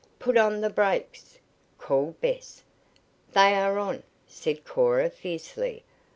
"Put on the brakes!" called Bess. "They are on!" said Cora fiercely.